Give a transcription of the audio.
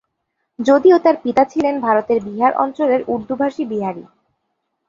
যদিও, তার পিতা ছিলেন ভারতের বিহার অঞ্চলের উর্দুভাষী বিহারী।